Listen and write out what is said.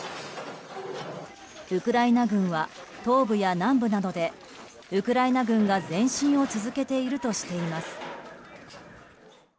ウクライナ軍は東部や南部などでウクライナ軍が前進を続けているとしています。